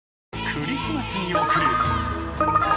［クリスマスに送る］